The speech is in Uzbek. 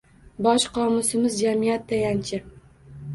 Bosh qomusimiz jamiyat tayanchi